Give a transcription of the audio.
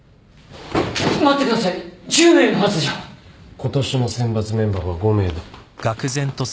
今年の選抜メンバーは５名だ。